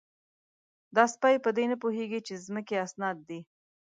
_دا سپۍ په دې نه پوهېږي چې د ځمکې اسناد دي؟